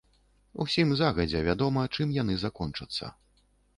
Усім загадзя вядома, чым яны закончацца.